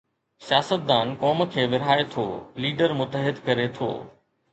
سياستدان قوم کي ورهائي ٿو، ليڊر متحد ڪري ٿو.